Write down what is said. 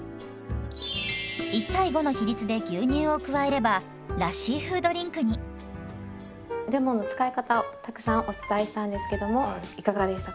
１：５の比率で牛乳を加えればラッシー風ドリンクに。レモンの使い方をたくさんお伝えしたんですけどもいかがでしたか？